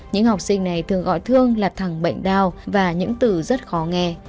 những học sinh này thường gọi thương là thẳng bệnh đau và những từ rất khó nghe